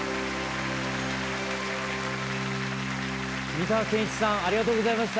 美川憲一さんありがとうございました。